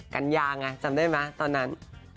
กัญญาไงจำได้ไหมตอนนั้น